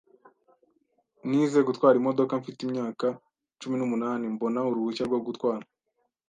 Nize gutwara imodoka mfite imyaka cumi n'umunani mbona uruhushya rwo gutwara.